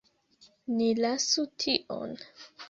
Ni lasu tion.